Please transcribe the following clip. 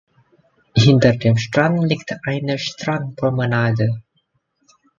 Hinter dem Strand liegt eine Strandpromenade.